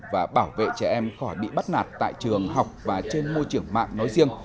và bảo vệ trẻ em khỏi bị bắt nạt tại trường học và trên môi trường mạng nói riêng